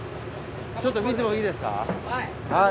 ちょっと見てもいいですか？